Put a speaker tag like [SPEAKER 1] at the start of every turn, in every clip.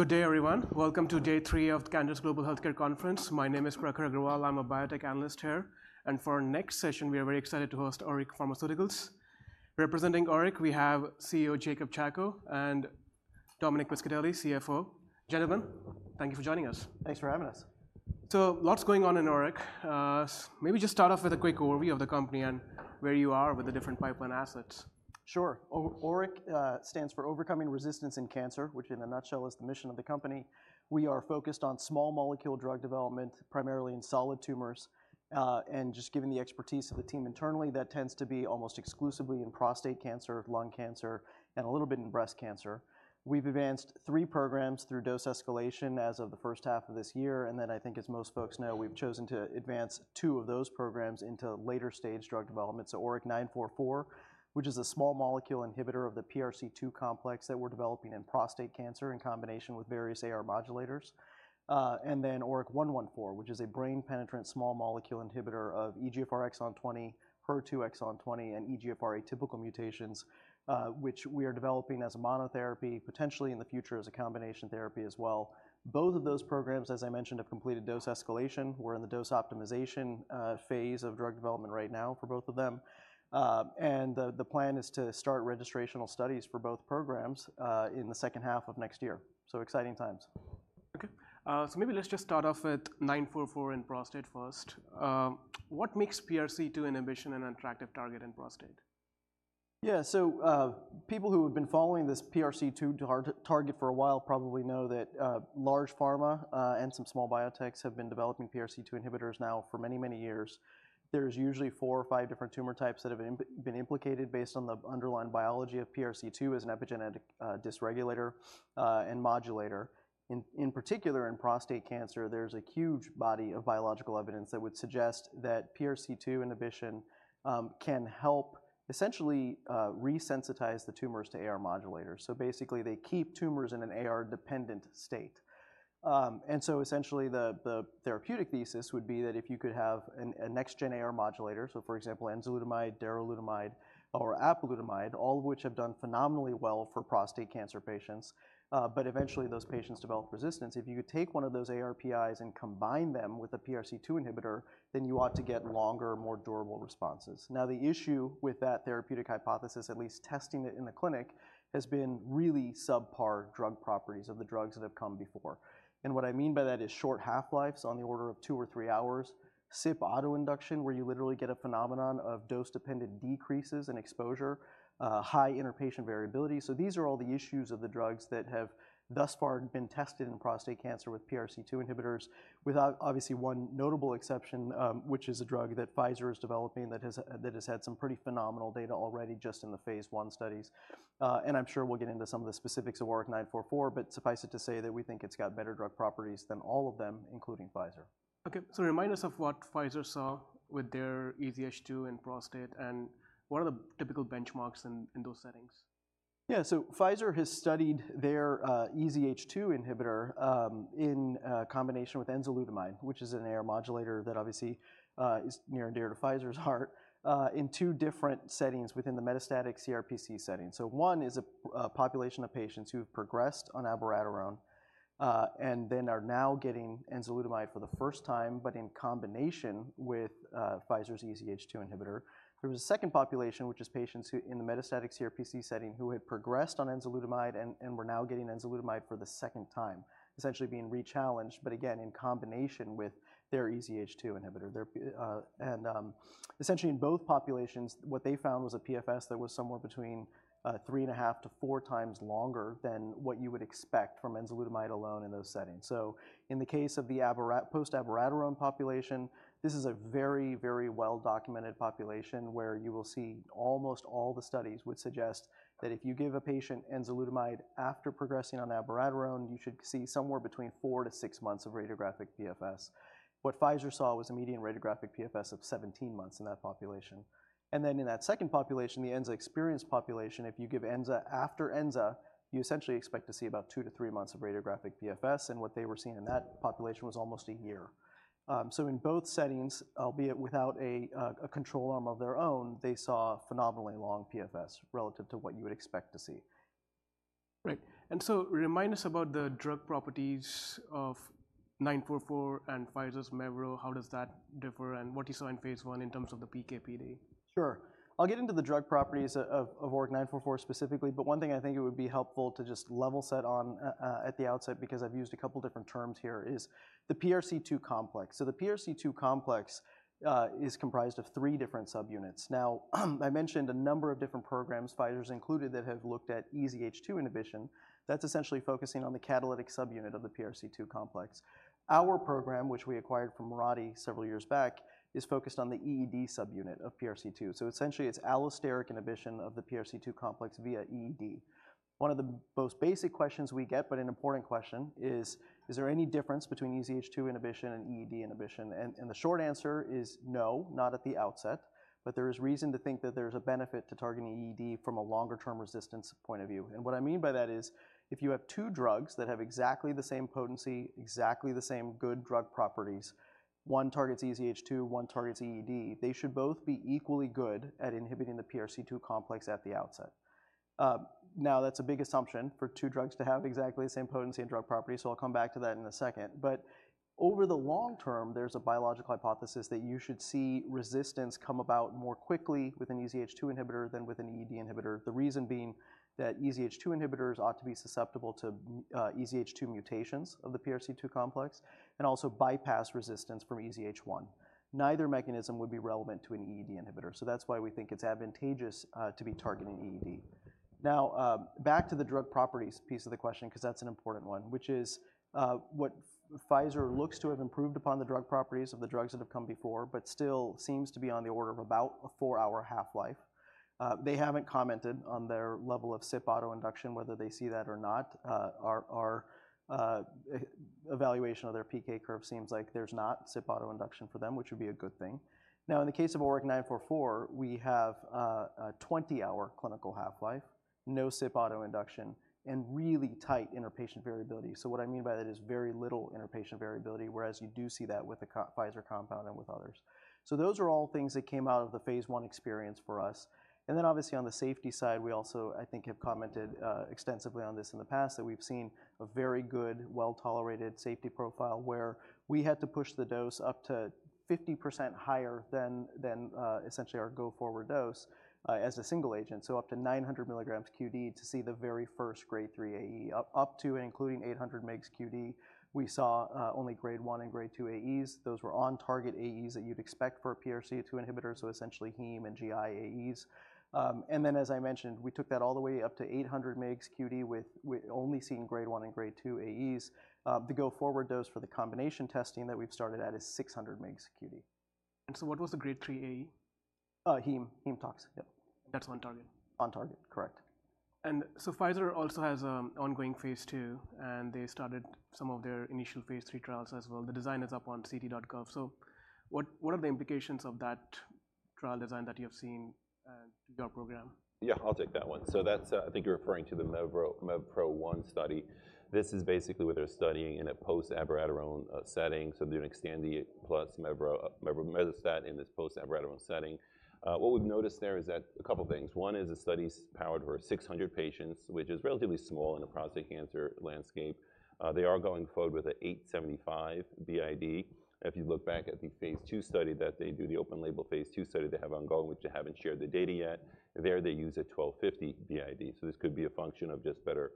[SPEAKER 1] Good day, everyone. Welcome to day three of the Cantor Global Healthcare Conference. My name is Prakhar Agrawal. I'm a biotech analyst here, and for our next session, we are very excited to host ORIC Pharmaceuticals. Representing ORIC, we have CEO Jacob Chacko and Dominic Piscitelli, CFO. Gentlemen, thank you for joining us.
[SPEAKER 2] Thanks for having us.
[SPEAKER 1] So lots going on in ORIC. Maybe just start off with a quick overview of the company and where you are with the different pipeline assets.
[SPEAKER 2] Sure. ORIC stands for Overcoming Resistance in Cancer, which, in a nutshell, is the mission of the company. We are focused on small molecule drug development, primarily in solid tumors, and just given the expertise of the team internally, that tends to be almost exclusively in prostate cancer, lung cancer, and a little bit in breast cancer. We've advanced three programs through dose escalation as of the first half of this year, and then I think as most folks know, we've chosen to advance two of those programs into later-stage drug development. So ORIC-944, which is a small molecule inhibitor of the PRC2 complex that we're developing in prostate cancer in combination with various AR modulators. And then ORIC-114, which is a brain-penetrant small molecule inhibitor of EGFR exon 20, HER2 exon 20, and EGFR atypical mutations, which we are developing as a monotherapy, potentially in the future, as a combination therapy as well. Both of those programs, as I mentioned, have completed dose escalation. We're in the dose optimization phase of drug development right now for both of them. And the plan is to start registrational studies for both programs in the second half of next year, so exciting times.
[SPEAKER 1] Okay, so maybe let's just start off with 944 in prostate first. What makes PRC2 inhibition an attractive target in prostate?
[SPEAKER 2] Yeah, so, people who have been following this PRC2 target for a while probably know that, large pharma, and some small biotechs have been developing PRC2 inhibitors now for many, many years. There's usually four or five different tumor types that have been implicated based on the underlying biology of PRC2 as an epigenetic dysregulator, and modulator. In particular, in prostate cancer, there's a huge body of biological evidence that would suggest that PRC2 inhibition can help essentially resensitize the tumors to AR modulators, so basically, they keep tumors in an AR-dependent state. And so essentially, the therapeutic thesis would be that if you could have a next-gen AR modulator, so for example, enzalutamide, darolutamide, or apalutamide, all of which have done phenomenally well for prostate cancer patients, but eventually those patients develop resistance. If you could take one of those ARPIs and combine them with a PRC2 inhibitor, then you ought to get longer, more durable responses. Now, the issue with that therapeutic hypothesis, at least testing it in the clinic, has been really subpar drug properties of the drugs that have come before. What I mean by that is short half-lives on the order of two or three hours, CYP autoinduction, where you literally get a phenomenon of dose-dependent decreases in exposure, high interpatient variability. These are all the issues of the drugs that have thus far been tested in prostate cancer with PRC2 inhibitors, with obviously one notable exception, which is a drug that Pfizer is developing that has had some pretty phenomenal data already just in the phase I studies. And I'm sure we'll get into some of the specifics of ORIC-944, but suffice it to say that we think it's got better drug properties than all of them, including Pfizer.
[SPEAKER 1] Okay, so remind us of what Pfizer saw with their EZH2 in prostate, and what are the typical benchmarks in those settings?
[SPEAKER 2] Yeah, so Pfizer has studied their EZH2 inhibitor in combination with enzalutamide, which is an AR modulator that obviously is near and dear to Pfizer's heart in two different settings within the metastatic CRPC setting. So one is a population of patients who have progressed on abiraterone and then are now getting enzalutamide for the first time, but in combination with Pfizer's EZH2 inhibitor. There was a second population, which is patients who, in the metastatic CRPC setting, who had progressed on enzalutamide and were now getting enzalutamide for the second time, essentially being rechallenged, but again, in combination with their EZH2 inhibitor. Their p... And, essentially, in both populations, what they found was a PFS that was somewhere between three and a half to four times longer than what you would expect from enzalutamide alone in those settings. So in the case of the post-abiraterone population, this is a very, very well-documented population, where you will see almost all the studies would suggest that if you give a patient enzalutamide after progressing on abiraterone, you should see somewhere between four to six months of radiographic PFS. What Pfizer saw was a median radiographic PFS of 17 months in that population. And then in that second population, the Enza-experienced population, if you give Enza after Enza, you essentially expect to see about two to three months of radiographic PFS, and what they were seeing in that population was almost a year. So in both settings, albeit without a control arm of their own, they saw phenomenally long PFS relative to what you would expect to see.
[SPEAKER 1] Right. And so remind us about the drug properties of ORIC-944 and Pfizer's mevrometostat, how does that differ, and what you saw in phase I in terms of the PK/PD?
[SPEAKER 2] Sure. I'll get into the drug properties of ORIC-944 specifically, but one thing I think it would be helpful to just level set on at the outset, because I've used a couple different terms here, is the PRC2 complex. So the PRC2 complex is comprised of three different subunits. Now, I mentioned a number of different programs, Pfizer's included, that have looked at EZH2 inhibition. That's essentially focusing on the catalytic subunit of the PRC2 complex. Our program, which we acquired from Mirati several years back, is focused on the EED subunit of PRC2. So essentially, it's allosteric inhibition of the PRC2 complex via EED. One of the most basic questions we get, but an important question, is: Is there any difference between EZH2 inhibition and EED inhibition? The short answer is no, not at the outset, but there is reason to think that there's a benefit to targeting EED from a longer-term resistance point of view. And what I mean by that is, if you have two drugs that have exactly the same potency, exactly the same good drug properties, one targets EZH2, one targets EED, they should both be equally good at inhibiting the PRC2 complex at the outset.... now that's a big assumption for two drugs to have exactly the same potency and drug properties, so I'll come back to that in a second. But over the long term, there's a biological hypothesis that you should see resistance come about more quickly with an EZH2 inhibitor than with an EED inhibitor. The reason being that EZH2 inhibitors ought to be susceptible to EZH2 mutations of the PRC2 complex, and also bypass resistance from EZH1. Neither mechanism would be relevant to an EED inhibitor, so that's why we think it's advantageous to be targeting EED. Now, back to the drug properties piece of the question, 'cause that's an important one, which is what Pfizer looks to have improved upon the drug properties of the drugs that have come before, but still seems to be on the order of about a four-hour half-life. They haven't commented on their level of CYP autoinduction, whether they see that or not. Our evaluation of their PK curve seems like there's not CYP autoinduction for them, which would be a good thing. Now, in the case of ORIC-944, we have a 20-hour clinical half-life, no CYP autoinduction, and really tight interpatient variability, so what I mean by that is very little interpatient variability, whereas you do see that with the Pfizer compound and with others, so those are all things that came out of the phase I experience for us. Then obviously on the safety side, we also, I think, have commented extensively on this in the past, that we've seen a very good, well-tolerated safety profile, where we had to push the dose up to 50% higher than essentially our go-forward dose as a single agent. So up to 900 milligrams QD to see the very first grade 3 AE. Up to and including 800 mg QD, we saw only grade 1 and grade 2 AEs. Those were on-target AEs that you'd expect for a PRC2 inhibitor, so essentially heme and GI AEs, and then, as I mentioned, we took that all the way up to 800 mgs QD with only seeing grade one and grade two AEs. The go forward dose for the combination testing that we've started at is 600 mgs QD.
[SPEAKER 1] And so what was the grade three AE?
[SPEAKER 2] Heme tox. Yep.
[SPEAKER 1] That's on target?
[SPEAKER 2] On target, correct.
[SPEAKER 1] Pfizer also has ongoing phase II, and they started some of their initial phase III trials as well. The design is up on ClinicalTrials.gov. What are the implications of that trial design that you have seen in your program?
[SPEAKER 3] Yeah, I'll take that one. So that's, I think you're referring to the MEVPRO-1 study. This is basically what they're studying in a post abiraterone setting. So they're doing Xtandi plus mevrometostat in this post abiraterone setting. What we've noticed there is that a couple things. One is the study's powered for 600 patients, which is relatively small in a prostate cancer landscape. They are going forward with a 875 BID. If you look back at the phase II study that they do, the open label phase II study they have ongoing, which they haven't shared the data yet, there they use a 1250 BID. So this could be a function of just better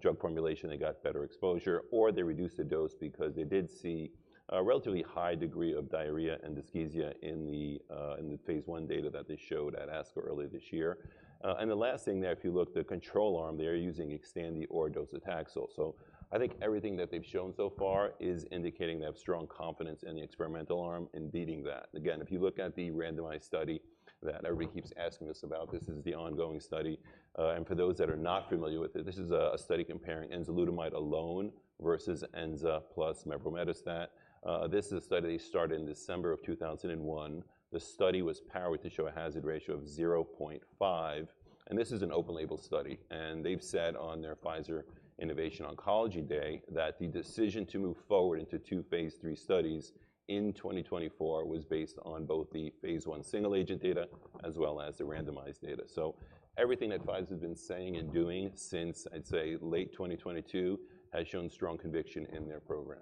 [SPEAKER 3] drug formulation. They got better exposure, or they reduced the dose because they did see a relatively high degree of diarrhea and dysgeusia in the phase I data that they showed at ASCO earlier this year. And the last thing that if you look, the control arm, they are using Xtandi or docetaxel. So I think everything that they've shown so far is indicating they have strong confidence in the experimental arm in beating that. Again, if you look at the randomized study that everybody keeps asking us about, this is the ongoing study. And for those that are not familiar with it, this is a study comparing enzalutamide alone versus Enza plus mevrometostat. This is a study started in December of 2021. The study was powered to show a hazard ratio of 0.5, and this is an open label study and they've said on their Pfizer Innovation Oncology Day that the decision to move forward into two phase 3 studies in 2024 was based on both the phase I single-agent data as well as the randomized data so everything that Pfizer has been saying and doing since, I'd say, late 2022, has shown strong conviction in their program.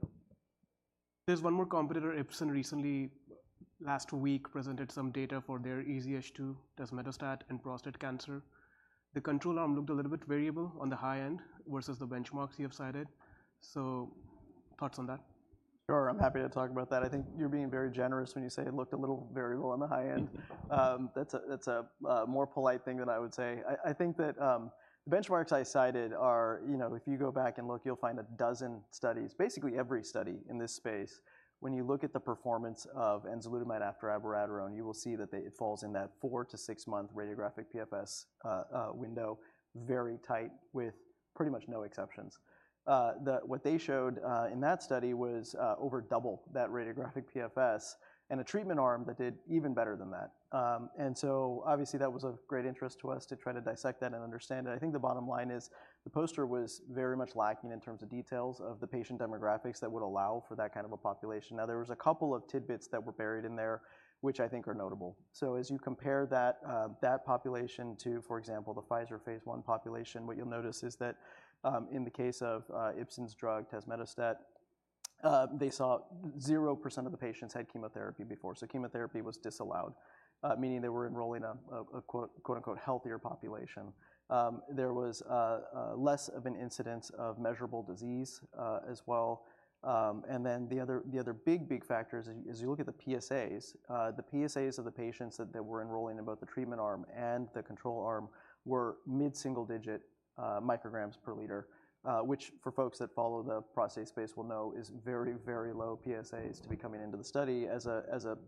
[SPEAKER 1] There's one more competitor, Ipsen, recently, last week, presented some data for their EZH2, tazemetostat and prostate cancer. The control arm looked a little bit variable on the high end versus the benchmarks you have cited. So thoughts on that?
[SPEAKER 2] Sure, I'm happy to talk about that. I think you're being very generous when you say it looked a little variable on the high end. That's a more polite thing than I would say. I think that the benchmarks I cited are, you know, if you go back and look, you'll find a dozen studies, basically every study in this space. When you look at the performance of enzalutamide after abiraterone, you will see that it falls in that four- to six-month radiographic PFS window, very tight, with pretty much no exceptions. What they showed in that study was over double that radiographic PFS, and a treatment arm that did even better than that. And so obviously, that was of great interest to us to try to dissect that and understand it. I think the bottom line is the poster was very much lacking in terms of details of the patient demographics that would allow for that kind of a population. Now, there was a couple of tidbits that were buried in there, which I think are notable. So as you compare that population to, for example, the Pfizer phase I population, what you'll notice is that, in the case of Ipsen's drug, tazemetostat, they saw 0% of the patients had chemotherapy before. So chemotherapy was disallowed, meaning they were enrolling a quote, quote-unquote, "healthier population." There was less of an incidence of measurable disease, as well. And then the other big factor is as you look at the PSAs of the patients that were enrolling in both the treatment arm and the control arm were mid-single digit micrograms per liter, which for folks that follow the prostate space will know is very, very low PSAs to be coming into the study. As a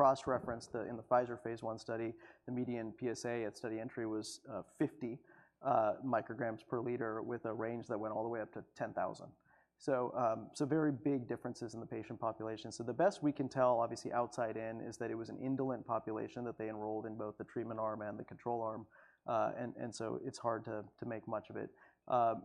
[SPEAKER 2] cross-reference, in the Pfizer phase I study, the median PSA at study entry was 50 micrograms per liter, with a range that went all the way up to 10,000. So very big differences in the patient population. So the best we can tell, obviously, outside in, is that it was an indolent population that they enrolled in both the treatment arm and the control arm. So it's hard to make much of it.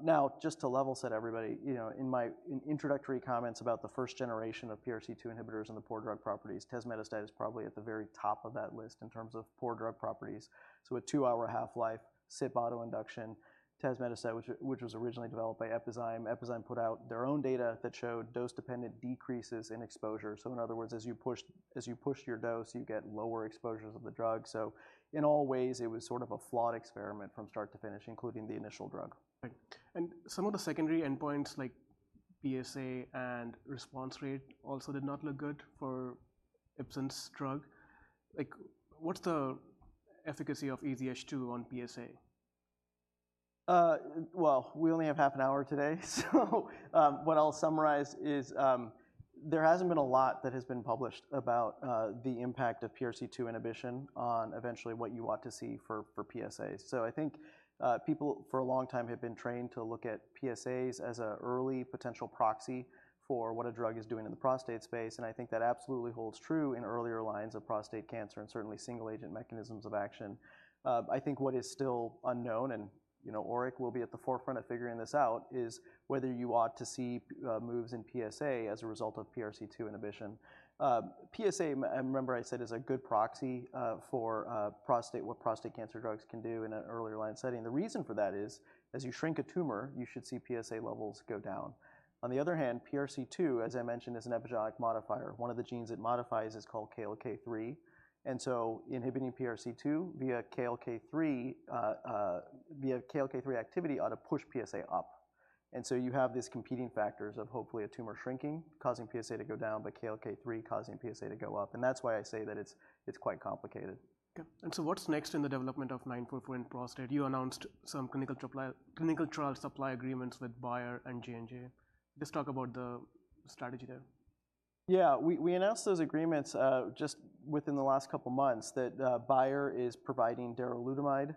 [SPEAKER 2] Now, just to level set everybody, you know, in my introductory comments about the first generation of PRC2 inhibitors and the poor drug properties, tazemetostat is probably at the very top of that list in terms of poor drug properties. So a two-hour half-life, CYP autoinduction. Tazemetostat, which was originally developed by Epizyme. Epizyme put out their own data that showed dose-dependent decreases in exposure. So in other words, as you push your dose, you get lower exposures of the drug. So in all ways, it was sort of a flawed experiment from start to finish, including the initial drug.
[SPEAKER 1] Right. And some of the secondary endpoints, like PSA and response rate, also did not look good for Ipsen's drug. Like, what's the efficacy of EZH2 on PSA?
[SPEAKER 2] We only have half an hour today, so what I'll summarize is, there hasn't been a lot that has been published about the impact of PRC2 inhibition on eventually what you want to see for PSAs. So I think people for a long time have been trained to look at PSAs as an early potential proxy for what a drug is doing in the prostate space, and I think that absolutely holds true in earlier lines of prostate cancer and certainly single-agent mechanisms of action. I think what is still unknown, and you know, ORIC will be at the forefront of figuring this out, is whether you ought to see moves in PSA as a result of PRC2 inhibition. PSA, remember I said, is a good proxy for what prostate cancer drugs can do in an earlier line setting. The reason for that is, as you shrink a tumor, you should see PSA levels go down. On the other hand, PRC2, as I mentioned, is an epigenetic modifier. One of the genes it modifies is called KLK3, and so inhibiting PRC2 via KLK3 activity ought to push PSA up. And so you have these competing factors of hopefully a tumor shrinking, causing PSA to go down, but KLK3 causing PSA to go up, and that's why I say that it's quite complicated.
[SPEAKER 1] Okay. And so what's next in the development of ORIC-944 in prostate? You announced some clinical trial supply agreements with Bayer and J&J. Just talk about the strategy there.
[SPEAKER 2] Yeah, we announced those agreements just within the last couple of months, that Bayer is providing darolutamide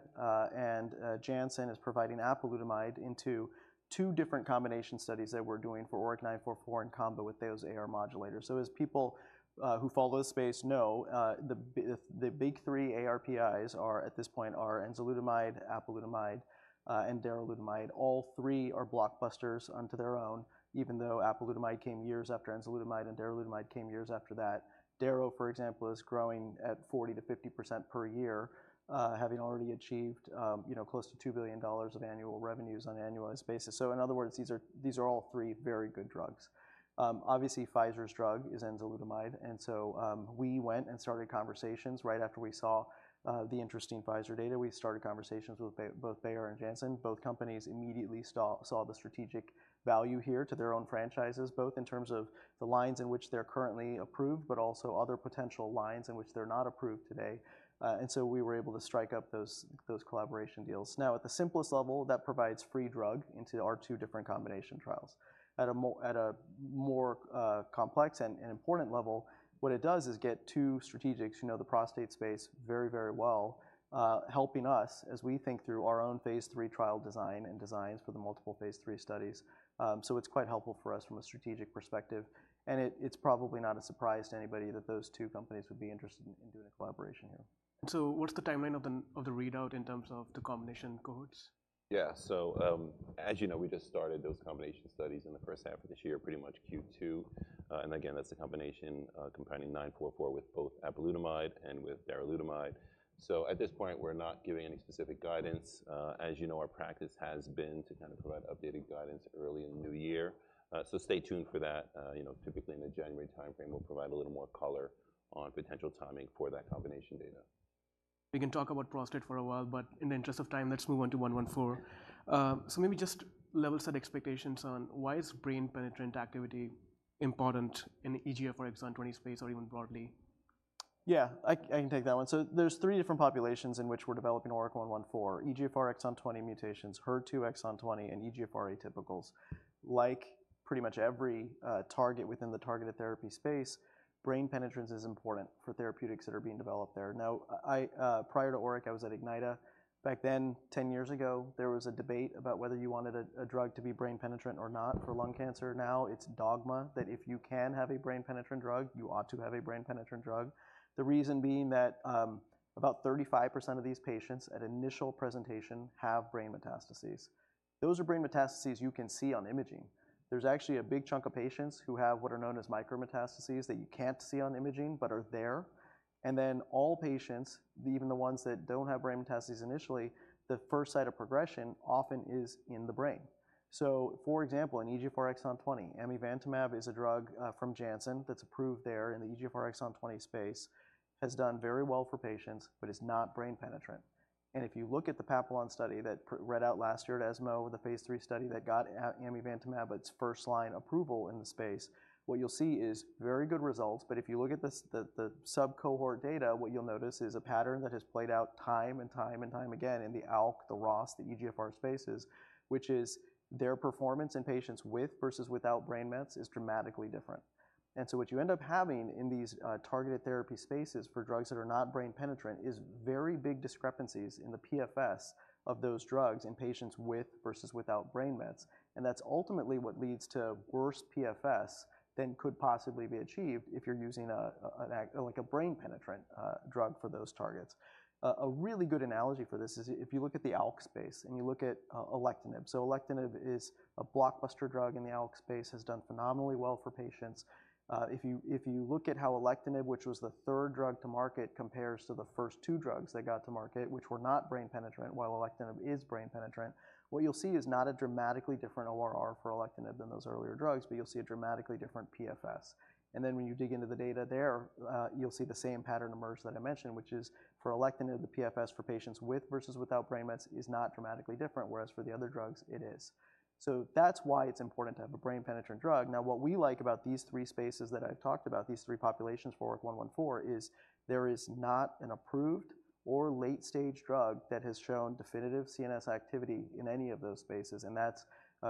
[SPEAKER 2] and Janssen is providing apalutamide into two different combination studies that we're doing for ORIC-944 in combo with those AR modulators. So as people who follow the space know, the big three ARPIs are, at this point, enzalutamide, apalutamide, and darolutamide. All three are blockbusters unto their own, even though apalutamide came years after enzalutamide, and darolutamide came years after that. Daro, for example, is growing at 40% to 50% per year, having already achieved close to $2 billion of annual revenues on an annualized basis. So in other words, these are all three very good drugs. Obviously, Pfizer's drug is enzalutamide, and so we went and started conversations right after we saw the interesting Pfizer data. We started conversations with both Bayer and Janssen. Both companies immediately saw the strategic value here to their own franchises, both in terms of the lines in which they're currently approved, but also other potential lines in which they're not approved today, and so we were able to strike up those collaboration deals. Now, at the simplest level, that provides free drug into our two different combination trials. At a more complex and important level, what it does is get two strategics who know the prostate space very, very well, helping us as we think through our own phase III trial design and designs for the multiple phase III studies. So, it's quite helpful for us from a strategic perspective, and it's probably not a surprise to anybody that those two companies would be interested in doing a collaboration here.
[SPEAKER 1] What's the timeline of the, of the readout in terms of the combination cohorts?
[SPEAKER 3] Yeah, so, as you know, we just started those combination studies in the first half of this year, pretty much Q2, and again, that's a combination, combining nine four four with both apalutamide and with darolutamide, so at this point, we're not giving any specific guidance, as you know, our practice has been to kind of provide updated guidance early in the new year, so stay tuned for that. You know, typically in the January timeframe, we'll provide a little more color on potential timing for that combination data.
[SPEAKER 1] We can talk about prostate for a while, but in the interest of time, let's move on to ORIC-114, so maybe just level set expectations on why is brain penetrant activity important in the EGFR exon 20 space or even broadly?
[SPEAKER 2] Yeah, I can take that one. So there's three different populations in which we're developing ORIC-114: EGFR exon 20 mutations, HER2 exon 20, and EGFR atypicals. Like pretty much every target within the targeted therapy space, brain penetrance is important for therapeutics that are being developed there. Now, I prior to ORIC, I was at Ignyta. Back then, ten years ago, there was a debate about whether you wanted a drug to be brain penetrant or not for lung cancer. Now, it's dogma that if you can have a brain-penetrant drug, you ought to have a brain-penetrant drug. The reason being that about 35% of these patients at initial presentation have brain metastases. Those are brain metastases you can see on imaging. There's actually a big chunk of patients who have what are known as micrometastases that you can't see on imaging, but are there. And then all patients, even the ones that don't have brain metastases initially, the first site of progression often is in the brain. So, for example, in EGFR exon twenty, amivantamab is a drug from Janssen that's approved there in the EGFR exon twenty space, has done very well for patients, but is not brain penetrant. And if you look at the PAPILLON study that read out last year at ESMO, the Phase III study that got amivantamab its first-line approval in the space, what you'll see is very good results. But if you look at the sub-cohort data, what you'll notice is a pattern that has played out time and time and time again in the ALK, the ROS, the EGFR spaces, which is their performance in patients with versus without brain mets is dramatically different. And so what you end up having in these targeted therapy spaces for drugs that are not brain penetrant, is very big discrepancies in the PFS of those drugs in patients with versus without brain mets. And that's ultimately what leads to worse PFS than could possibly be achieved if you're using a like a brain-penetrant drug for those targets. A really good analogy for this is if you look at the ALK space and you look at alectinib. So alectinib is a blockbuster drug in the ALK space, has done phenomenally well for patients. If you look at how alectinib, which was the third drug to market, compares to the first two drugs that got to market, which were not brain-penetrant, while alectinib is brain-penetrant, what you'll see is not a dramatically different ORR for alectinib than those earlier drugs, but you'll see a dramatically different PFS. And then when you dig into the data there, you'll see the same pattern emerge that I mentioned, which is for alectinib, the PFS for patients with versus without brain mets is not dramatically different, whereas for the other drugs, it is. So that's why it's important to have a brain-penetrant drug. Now, what we like about these three spaces that I've talked about, these three populations for ORIC-114, is there is not an approved or late-stage drug that has shown definitive CNS activity in any of those spaces. And that's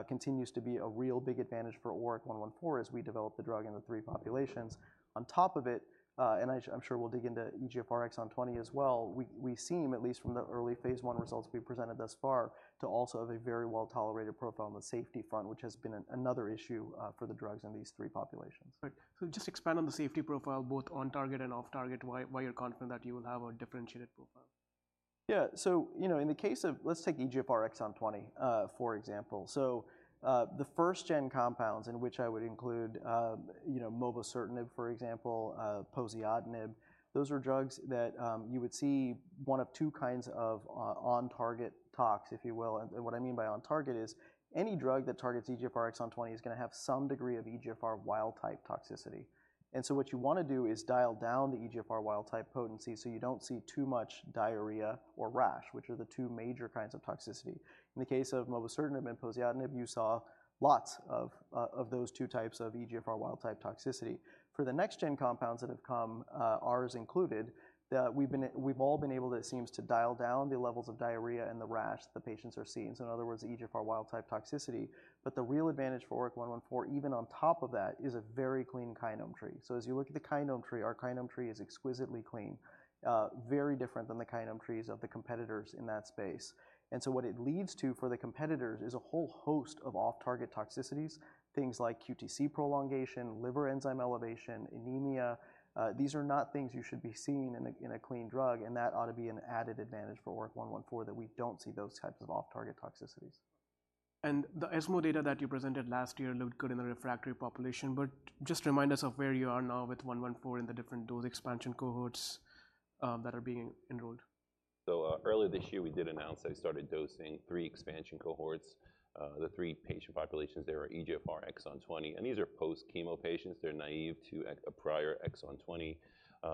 [SPEAKER 2] continues to be a real big advantage for ORIC-114 as we develop the drug in the three populations. On top of it, and I'm sure we'll dig into EGFR exon twenty as well, we seem, at least from the early phase I results we've presented thus far, to also have a very well-tolerated profile on the safety front, which has been another issue for the drugs in these three populations.
[SPEAKER 1] Right. So just expand on the safety profile, both on-target and off-target, why, why you're confident that you will have a differentiated profile?...
[SPEAKER 2] Yeah, so, you know, in the case of, let's take EGFR exon twenty, for example. So, the first-gen compounds, in which I would include, you know, mobocertinib, for example, poziotinib, those are drugs that, you would see one of two kinds of, on-target tox, if you will. And, what I mean by on-target is, any drug that targets EGFR exon twenty is gonna have some degree of EGFR wild-type toxicity. And so what you wanna do is dial down the EGFR wild-type potency, so you don't see too much diarrhea or rash, which are the two major kinds of toxicity. In the case of mobocertinib and poziotinib, you saw lots of those two types of EGFR wild-type toxicity. For the next-gen compounds that have come, ours included, we've all been able, it seems, to dial down the levels of diarrhea and the rash the patients are seeing. So in other words, EGFR wild-type toxicity. But the real advantage for ORIC-114, even on top of that, is a very clean kinome tree. So as you look at the kinome tree, our kinome tree is exquisitely clean, very different than the kinome trees of the competitors in that space. And so what it leads to for the competitors is a whole host of off-target toxicities, things like QTc prolongation, liver enzyme elevation, anemia. These are not things you should be seeing in a clean drug, and that ought to be an added advantage for ORIC-114, that we don't see those types of off-target toxicities.
[SPEAKER 1] The ESMO data that you presented last year looked good in the refractory population, but just remind us of where you are now with one one four and the different dose expansion cohorts that are being enrolled.
[SPEAKER 3] Early this year, we did announce that we started dosing three expansion cohorts. The three patient populations, there were EGFR exon twenty, and these are post-chemo patients. They're naive to a prior exon twenty.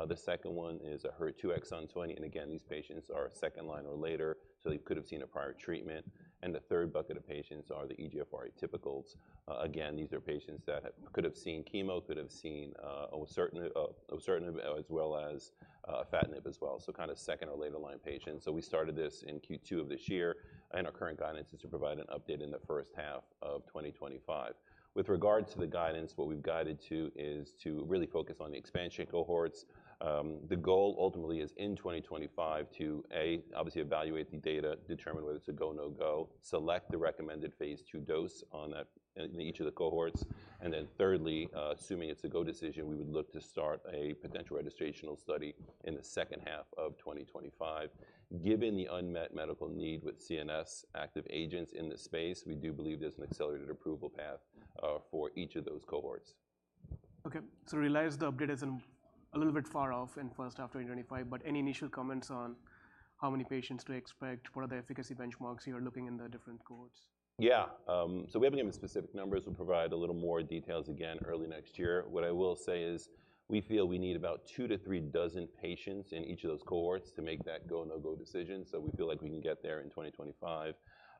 [SPEAKER 3] The second one is a HER2 exon twenty, and again, these patients are second-line or later, so they could have seen a prior treatment. The third bucket of patients are the EGFR atypicals. Again, these are patients that could have seen chemo, could have seen mobocertinib, as well as afatinib as well, so kind of second or later-line patients. We started this in Q2 of this year, and our current guidance is to provide an update in the first half of twenty twenty-five. With regards to the guidance, what we've guided to is to really focus on the expansion cohorts. The goal ultimately is in 2025 to, A, obviously evaluate the data, determine whether it's a go, no go, select the recommended phase II dose on that, in each of the cohorts. Then thirdly, assuming it's a go decision, we would look to start a potential registrational study in the second half of 2025. Given the unmet medical need with CNS active agents in this space, we do believe there's an accelerated approval path, for each of those cohorts.
[SPEAKER 1] Okay. So realize the update is a little bit far off in the first half 2025, but any initial comments on how many patients to expect? What are the efficacy benchmarks you are looking in the different cohorts?
[SPEAKER 3] Yeah. So we haven't given specific numbers. We'll provide a little more details again early next year. What I will say is, we feel we need about two to three dozen patients in each of those cohorts to make that go, no-go decision, so we feel like we can get there in twenty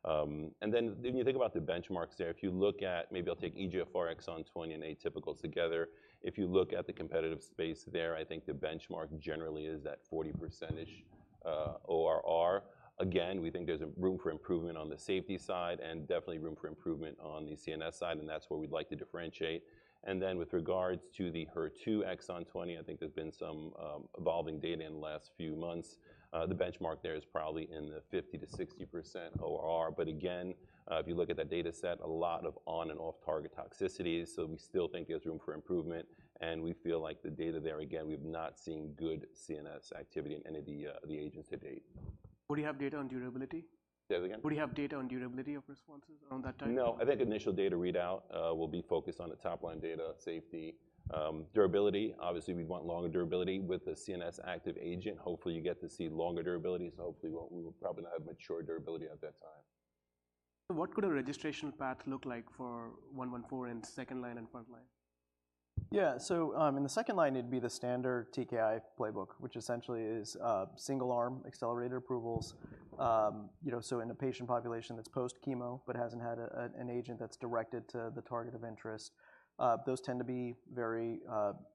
[SPEAKER 3] twenty-five. And then when you think about the benchmarks there, if you look at... Maybe I'll take EGFR exon 20 and atypicals together. If you look at the competitive space there, I think the benchmark generally is that 40% ORR. Again, we think there's room for improvement on the safety side and definitely room for improvement on the CNS side, and that's where we'd like to differentiate. And then with regards to the HER2 exon 20, I think there's been some evolving data in the last few months. The benchmark there is probably in the 50%-60% ORR. But again, if you look at that data set, a lot of on and off-target toxicities, so we still think there's room for improvement, and we feel like the data there, again, we've not seen good CNS activity in any of the agents to date.
[SPEAKER 1] Would you have data on durability?
[SPEAKER 3] Say that again?
[SPEAKER 1] Would you have data on durability of responses on that type?
[SPEAKER 3] No. I think initial data readout will be focused on the top-line data, safety. Durability, obviously, we'd want longer durability. With a CNS active agent, hopefully, you get to see longer durability, so hopefully, we will probably not have mature durability at that time.
[SPEAKER 1] What could a registration path look like for ORIC-114 in second line and front line?
[SPEAKER 2] Yeah. So in the second line, it'd be the standard TKI playbook, which essentially is single-arm accelerator approvals. You know, so in a patient population that's post-chemo but hasn't had an agent that's directed to the target of interest, those tend to be very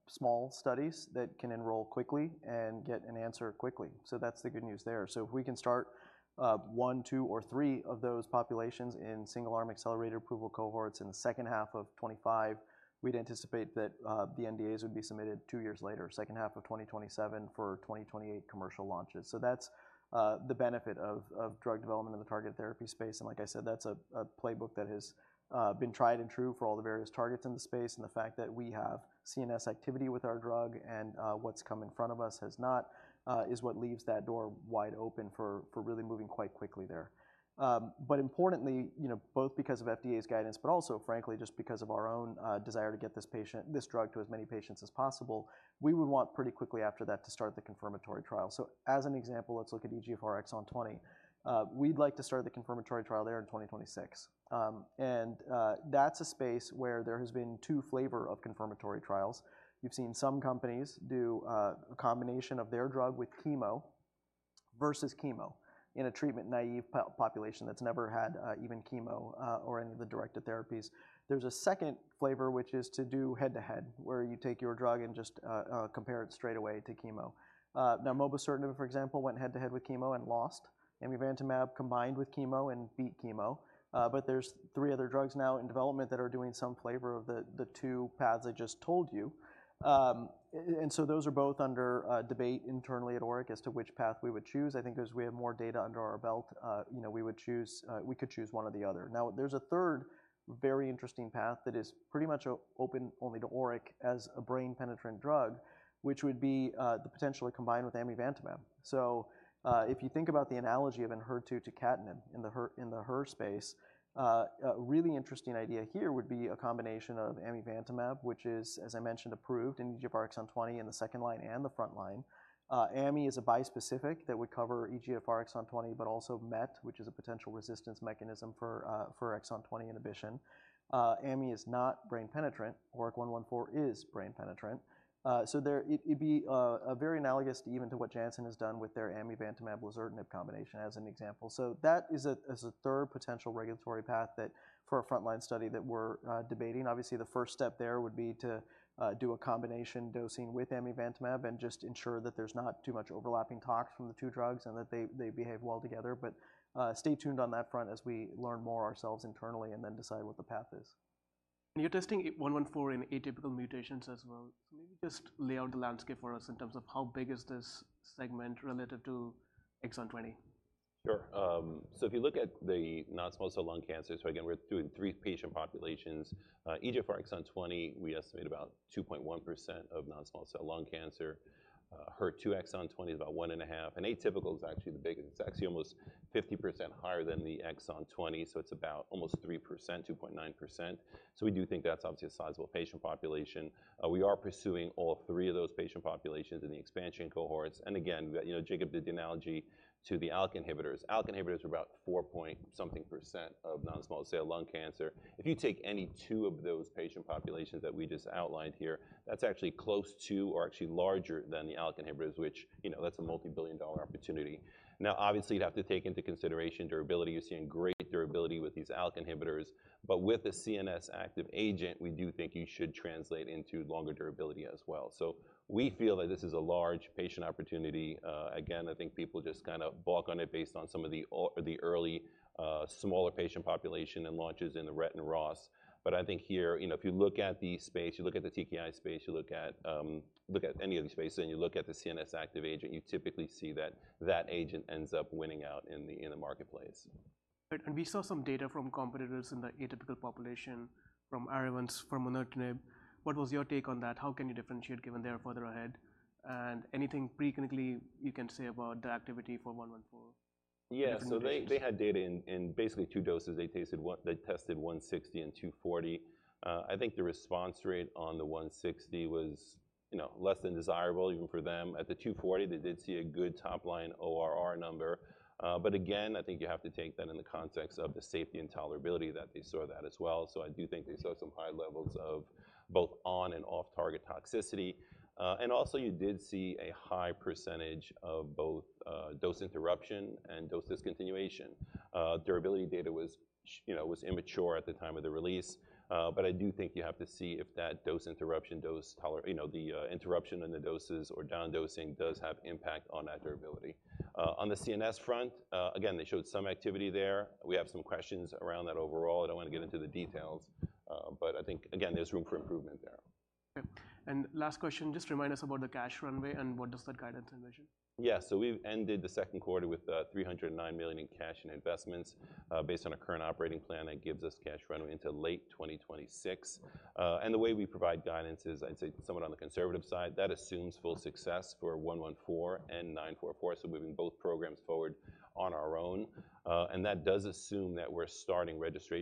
[SPEAKER 2] small studies that can enroll quickly and get an answer quickly. So that's the good news there. So if we can start one, two, or three of those populations in single-arm accelerated approval cohorts in the second half of 2025, we'd anticipate that the NDAs would be submitted two years later, second half of 2027, for 2028 commercial launches. So that's the benefit of drug development in the targeted therapy space. And like I said, that's a playbook that has been tried and true for all the various targets in the space. And the fact that we have CNS activity with our drug and what's come in front of us has not is what leaves that door wide open for really moving quite quickly there. But importantly, you know, both because of FDA's guidance, but also frankly, just because of our own desire to get this patient - this drug to as many patients as possible, we would want pretty quickly after that to start the confirmatory trial. So as an example, let's look at EGFR exon 20. We'd like to start the confirmatory trial there in 2026. And that's a space where there has been two flavors of confirmatory trials. You've seen some companies do a combination of their drug with chemo versus chemo in a treatment-naive population that's never had even chemo or any of the directed therapies. There's a second flavor, which is to do head-to-head, where you take your drug and just compare it straight away to chemo. Now, mobocertinib, for example, went head-to-head with chemo and lost. Amivantamab combined with chemo and beat chemo, but there's three other drugs now in development that are doing some flavor of the two paths I just told you, and so those are both under debate internally at ORIC as to which path we would choose. I think as we have more data under our belt, you know, we would choose, we could choose one or the other. Now, there's a third very interesting path that is pretty much open only to ORIC as a brain-penetrant drug, which would be the potentially combined with amivantamab. So, if you think about the analogy of an HER2 to EGFR in the HER space, a really interesting idea here would be a combination of amivantamab, which is, as I mentioned, approved in EGFR exon 20 in the second line and the front line. Ami is a bispecific that would cover EGFR exon 20, but also MET, which is a potential resistance mechanism for exon 20 inhibition. Ami is not brain penetrant. ORIC-114 is brain penetrant. So there, it'd be a very analogous to even to what Janssen has done with their amivantamab lazertinib combination as an example. So that is a third potential regulatory path for a frontline study that we're debating. Obviously, the first step there would be to do a combination dosing with amivantamab and just ensure that there's not too much overlapping tox from the two drugs and that they behave well together. But stay tuned on that front as we learn more ourselves internally and then decide what the path is.
[SPEAKER 1] And you're testing 114 in atypical mutations as well. Maybe just lay out the landscape for us in terms of how big is this segment relative to exon 20?
[SPEAKER 3] Sure. So if you look at the non-small cell lung cancer, so again, we're doing three patient populations. EGFR exon 20, we estimate about 2.1% of non-small cell lung cancer. HER2 exon 20 is about one and a half, and atypical is actually the biggest. It's actually almost 50% higher than the exon 20, so it's about almost 3%, 2.9%. So we do think that's obviously a sizable patient population. We are pursuing all three of those patient populations in the expansion cohorts. And again, the, you know, Jacob did the analogy to the ALK inhibitors. ALK inhibitors are about 4.something% of non-small cell lung cancer. If you take any two of those patient populations that we just outlined here, that's actually close to or actually larger than the ALK inhibitors, which, you know, that's a multi-billion dollar opportunity. Now, obviously, you'd have to take into consideration durability. You're seeing great durability with these ALK inhibitors, but with a CNS active agent, we do think you should translate into longer durability as well. So we feel that this is a large patient opportunity. Again, I think people just kinda balk on it based on some of the early, smaller patient population and launches in the RET and ROS. But I think here, you know, if you look at the space, you look at the TKI space, you look at any of these spaces, and you look at the CNS active agent, you typically see that that agent ends up winning out in the marketplace.
[SPEAKER 1] We saw some data from competitors in the atypical population, from ArriVent's, from furmonertinib. What was your take on that? How can you differentiate, given they are further ahead? And anything preclinically you can say about the activity for ORIC-114?
[SPEAKER 3] Yeah. So they had data in basically two doses. They tested 160 and 240. I think the response rate on the 160 was, you know, less than desirable, even for them. At the 240, they did see a good top-line ORR number. But again, I think you have to take that in the context of the safety and tolerability that they saw that as well. So I do think they saw some high levels of both on and off-target toxicity. And also, you did see a high percentage of both dose interruption and dose discontinuation. Durability data was, you know, immature at the time of the release. But I do think you have to see if that dose interruption, dose toler... You know, the interruption in the doses or down dosing does have impact on that durability. On the CNS front, again, they showed some activity there. We have some questions around that overall. I don't wanna get into the details, but I think, again, there's room for improvement there.
[SPEAKER 1] Okay, and last question, just remind us about the cash runway and what does that guidance envision?
[SPEAKER 3] Yeah. So we've ended the second quarter with $309 million in cash and investments. Based on a current operating plan, that gives us cash runway until late 2026. And the way we provide guidance is, I'd say, somewhat on the conservative side, that assumes full success for ORIC-114 and ORIC-944, so moving both programs forward on our own. And that does assume that we're starting registries-